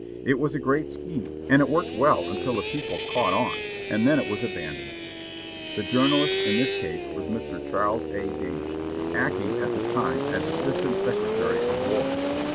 It was a great scheme, and it worked well until the people "caught on," and then it was abandoned. The journalist in this case was Mr. Charles A. Dana, acting at the time as Assistant Secretary of War.